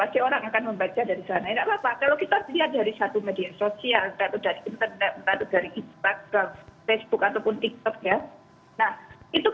sekarang kan zamannya internet